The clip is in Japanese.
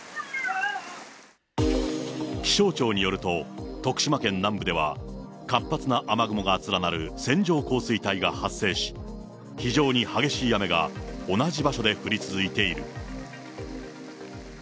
気象庁によると、徳島県南部では、活発な雨雲が連なる線状降水帯が発生し、非常に激しい雨が同じ場所で降り続いている。